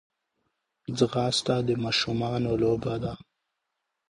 ځغاسته د ماشومانو لوبه ده